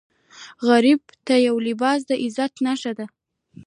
غریب ته یو لباس د عزت نښه ده